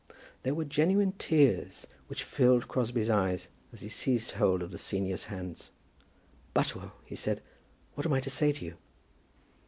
They were genuine tears which filled Crosbie's eyes, as he seized hold of the senior's hands. "Butterwell," he said, "what am I to say to you?"